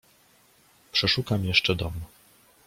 "Przeszukam jeszcze dom."